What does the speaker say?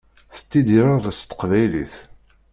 Tettidireḍ s teqbaylit.